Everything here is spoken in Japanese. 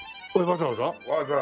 わざわざ？